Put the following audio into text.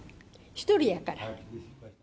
１人やから。